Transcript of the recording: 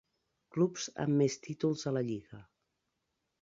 Clubs amb més títols a la lliga.